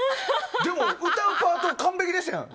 歌うパート完璧でしたやん。